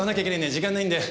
時間ないんだよ